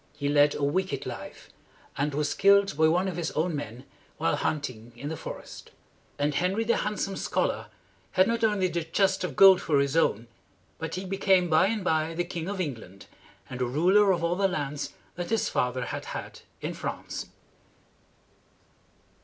He led a wicked life, and was killed by one of his own men while hunting in the forest. And Henry, the Handsome Scholar, had not only the chest of gold for his own, but he became by and by the King of England and the ruler of all the lands that his father had had in France.